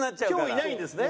今日いないんですね。